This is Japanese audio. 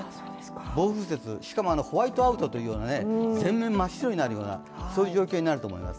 暴風雪、しかもホワイトアウトというような全面真っ白になるような、そういう状況になると思います。